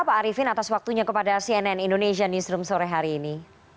pak arifin atas waktunya kepada cnn indonesia newsroom sore hari ini